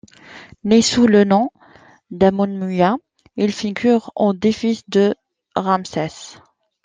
Né sous le nom d'Amonemouia, il figure au des fils de Ramsès.